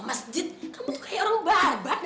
masjid kamu tuh kayak orang barbat